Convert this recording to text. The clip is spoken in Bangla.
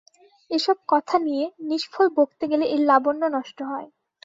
এ-সব কথা নিয়ে নিষ্ফল বকতে গেলে এর লাবণ্য নষ্ট হয়।